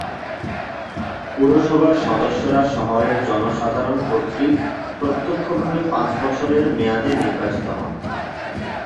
পুরসভার সদস্যরা শহরের জনসাধারণ কর্তৃক প্রত্যক্ষভাবে পাঁচ বছরের মেয়াদে নির্বাচিত হন।